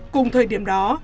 cùng thời điểm đó